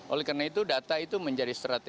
oleh karena itu data itu menjadi strategi